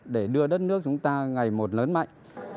để đưa đất nước chúng ta ngày một lớn mạnh